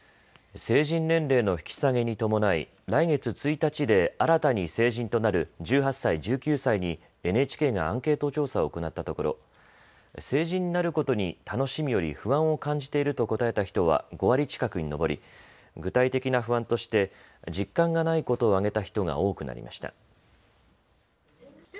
成人年齢の引き下げに伴い来月１日で新たに成人となる１８歳、１９歳にＮＨＫがアンケート調査を行ったところ成人になることに楽しみより不安を感じていると答えた人は５割近くに上り具体的な不安として実感がないことを挙げた人が多くなりました。